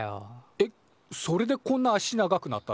えっそれでこんな足長くなったの？